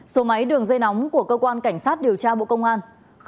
số máy đường dây nóng của cơ quan cảnh sát điều tra bộ công an